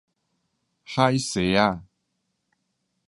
海蔬仔